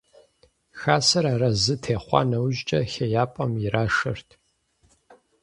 Хасэр арэзы техъуа нэужькӀэ хеяпӀэм ирашэрт.